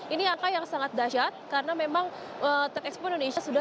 ini angka yang sangat dahsyat karena memang trade expo indonesia